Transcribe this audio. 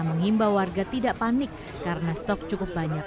dan banten banten banten banten